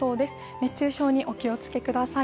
熱中症にお気をつけください。